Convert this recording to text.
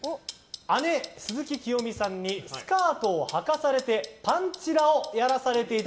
姉・鈴木聖美さんにスカートをはかされてパンチラをやらされていた。